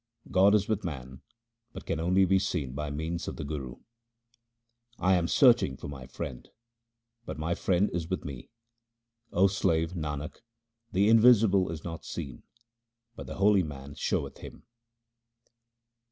God is with man but can only be seen by means of the Guru :— I am searching for my Friend, but my Friend is with me. O slave Nanak, the Invisible is not seen, but the holy man showeth Him.